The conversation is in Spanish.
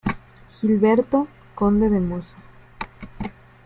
Gilberto, conde de Mosa